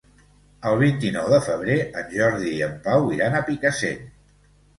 El vint-i-nou de febrer en Jordi i en Pau iran a Picassent.